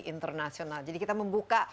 internasional jadi kita membuka